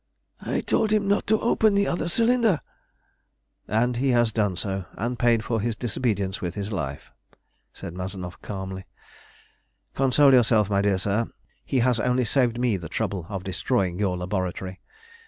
"I told him not to open the other cylinder." "And he has done so, and paid for his disobedience with his life," said Mazanoff calmly. "Console yourself, my dear sir! He has only saved me the trouble of destroying your laboratory.